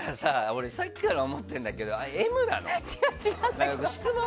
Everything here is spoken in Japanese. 俺さっきから思っているんだけどＭなの？